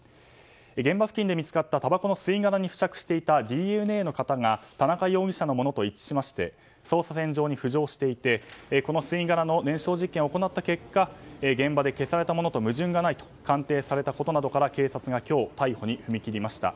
現場付近で見つかったたばこの吸い殻に付着していたＤＮＡの型が田中容疑者のものと一致しまして捜査線上に浮上していてこの吸い殻の燃焼実験を行った結果現場で消されたものと矛盾がないと鑑定されたことなどから警察が今日逮捕に踏み切りました。